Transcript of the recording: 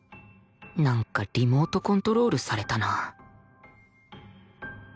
なんかリモートコントロールされたな